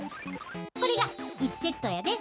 これが１セットやで。